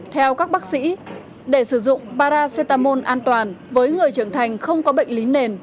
theo các bác sĩ để sử dụng paracetamol an toàn với người trưởng thành không có bệnh lý nền